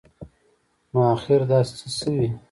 نو اخیر داسي څه شوي